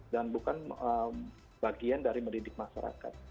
dan bukan bagian dari mendidik masyarakat